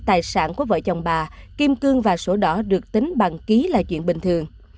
tài sản của vợ chồng bà kim cương và sổ đỏ được tính bằng ký là chuyện bình thường